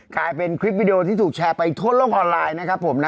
กลายเป็นคลิปวีดีโอที่ถูกแชร์ไปทดลองออนไลน์